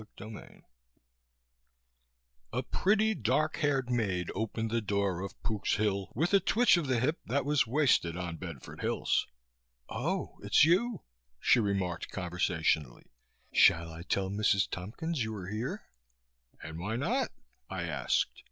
CHAPTER 2 A pretty, dark haired maid opened the door of "Pook's Hill" with a twitch of the hip that was wasted on Bedford Hills. "Oh, it's you!" She remarked conversationally. "Shall I tell Mrs. Tompkins you are here?" "And why not?" I asked.